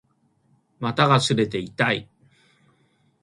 股が擦れて痛い